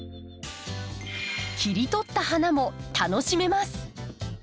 切り取った花も楽しめます。